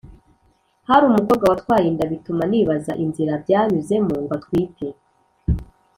hari umukobwa watwaye inda bituma nibaza inzira byanyuzemo ngo atwite